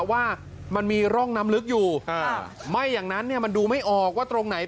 ว่ามันมีร่องน้ำลึกอยู่ไม่อย่างนั้นเนี่ยมันดูไม่ออกว่าตรงไหน